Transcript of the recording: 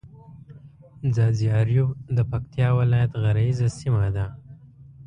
ځاځي اريوب د پکتيا ولايت غرييزه سيمه ده.